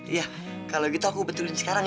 iya kalau gitu aku betulin sekarang